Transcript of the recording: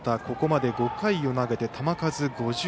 ここまで５回を投げて球数５８。